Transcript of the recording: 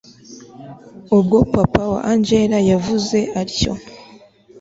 ubwo papa wa angella yavuze atyo